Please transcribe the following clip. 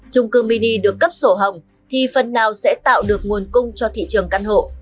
trung cư mini được cấp sổ hồng thì phần nào sẽ tạo được nguồn cung cho thị trường căn hộ